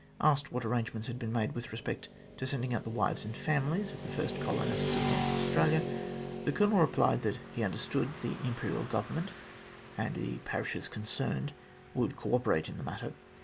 Asked what arrangements had been made with respect to sending out the wives and families of the first colonists of North Australia, the Colonel replied that he understood the Imperial Government and the parishes concerned would co operate in the matter.